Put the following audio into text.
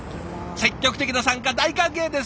積極的な参加大歓迎です。